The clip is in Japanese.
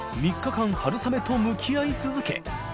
４.春雨と向き合い続け